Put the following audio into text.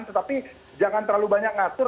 tetapi jangan terlalu banyak ngatur